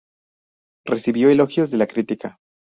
Recibió elogios de la crítica.